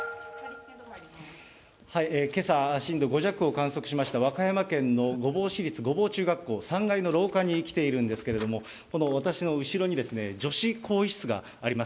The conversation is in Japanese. けさ、震度５弱を観測しました、和歌山県の御坊市立御坊中学校３階の廊下に来ているんですけれども、この私の後ろに、女子更衣室があります。